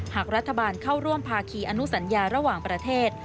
หากรัฐบาลเข้าร่วมภาคีอนุสัญญาระหว่างประเทศ